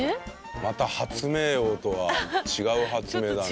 また発明王とは違う発明だな。